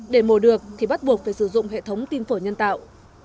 để mổ được thì bắt buộc phải sử dụng hệ thống tim phổi nhân tạo